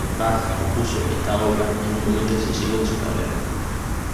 Bach compuso esta obra en un momento decisivo de su carrera.